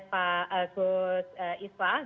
pak gus isfah